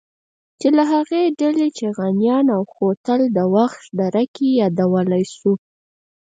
چې له هغې ډلې چغانيان او خوتل د وخش دره کې يادولی شو.